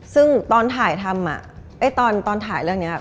ซึ่งตอนถ่ายเรื่องนี้